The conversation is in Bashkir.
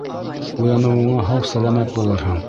Уяныуыңа һау-сәләмәт булырһың.